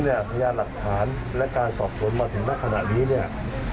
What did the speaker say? อย่างพยายามหลักฐานและการสอบสวนมาถึงมาที่ขณะนี้เนี่ย